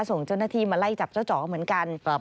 ส่งเจ้าหน้าที่มาไล่จับเจ้าจ๋อเหมือนกัน